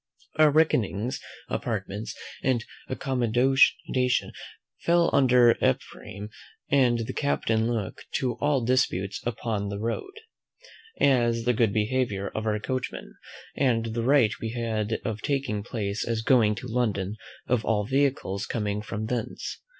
Our reckonings, apartments, and accommodation, fell under Ephraim; and the captain looked to all disputes upon the road, as the good behaviour of our coachman, and the right we had of taking place as going to London of all vehicles coming from thence.